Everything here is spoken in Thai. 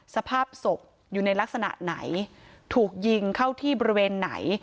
สภาพศพอยู่ในลักษณะไหนถูกยิงเข้าที่บริเวณไหน